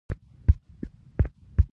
سقراط هڅه کوله چې خپل ځان وپېژني.